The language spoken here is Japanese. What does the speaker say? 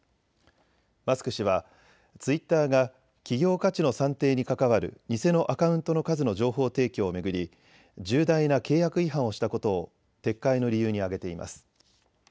マスク氏はツイッターが企業価値の算定に関わる偽のアカウントの数の情報提供を巡り重大な契約違反をしたことを撤回の理由に挙げています。